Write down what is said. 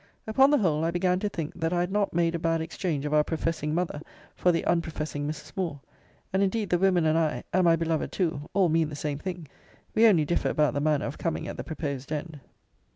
Upon the whole, I began to think that I had not made a bad exchange of our professing mother, for the unprofessing Mrs. Moore. And indeed the women and I, and my beloved too, all mean the same thing: we only differ about the manner of coming at the proposed end.